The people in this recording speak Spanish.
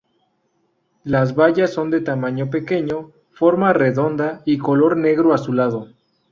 Las bayas son de tamaño pequeño, forma redonda y color negro-azulado.